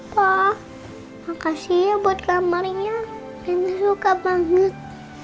pa makasih ya buat kamarnya rina suka banget